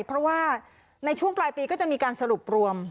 เพราะว่าในช่วงปลายปีก็จะมีการสรุปรวม